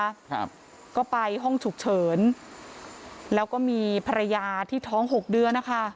ครับก็ไปห้องฉุกเฉินแล้วก็มีภรรยาที่ท้องหกเดือนนะคะ